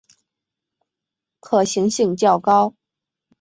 可行性较高